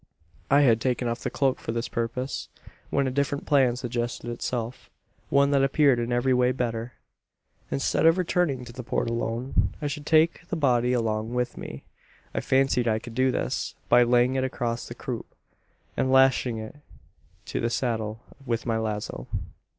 "I had taken off the cloak for this purpose; when a different plan suggested itself one that appeared in every way better. "Instead of returning to the Port alone, I should take the body along with me. I fancied I could do this, by laying it across the croup, and lashing it to the saddle with my lazo.